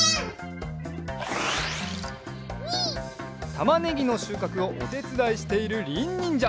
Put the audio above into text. たまねぎのしゅうかくをおてつだいしているりんにんじゃ。